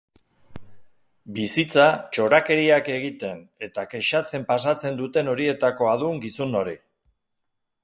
Bizitza txorakeriak egiten eta kexatzen pasatzen duten horietakoa dun gizon hori.